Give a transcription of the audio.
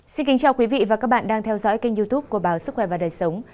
xin kính chào quý vị và các bạn đang theo dõi kênh youtube của báo sức khỏe và đời sống